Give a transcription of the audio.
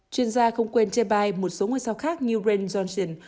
chuyên gia không quên chê bai một số ngôi sao khác như rain johnson